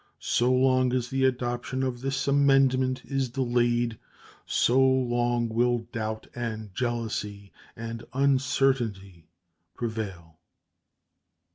So long as the adoption of this amendment is delayed, so long will doubt and jealousy and uncertainty prevail.